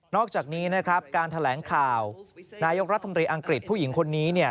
อกจากนี้นะครับการแถลงข่าวนายกรัฐมนตรีอังกฤษผู้หญิงคนนี้เนี่ย